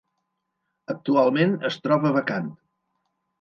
Actualment es troba vacant.